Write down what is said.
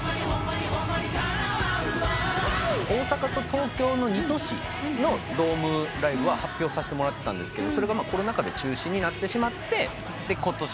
大阪と東京の２都市のドームライブは発表させてもらってたんですがコロナ禍で中止になってしまってことし